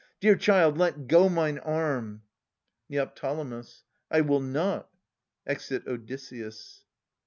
Dear child, let go Mine arm ! Neo. I will not. [Exit Odysseus.